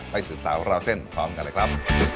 สืบสาวราวเส้นพร้อมกันเลยครับ